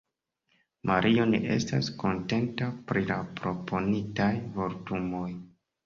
Mario ne estas kontenta pri la proponitaj vortumoj.